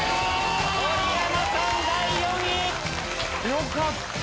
よかった！